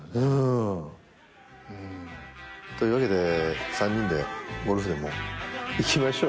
うん。というわけで３人でゴルフでも行きましょうよ。